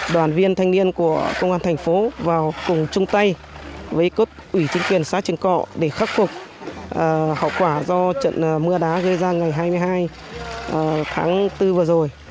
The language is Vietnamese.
đoàn viên thanh niên của công an thành phố vào cùng chung tay với cấp ủy chính quyền xã trường cọ để khắc phục hậu quả do trận mưa đá gây ra ngày hai mươi hai tháng bốn vừa rồi